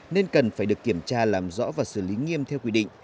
nên cần phải được kiểm tra làm rõ và xử lý nghiêm theo quy định